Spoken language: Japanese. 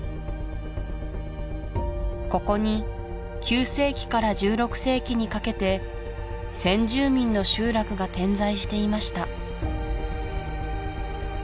ここに９世紀から１６世紀にかけて先住民の集落が点在していました